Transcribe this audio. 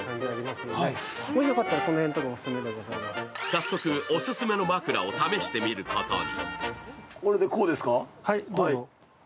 早速、オススメの枕を試してみることに。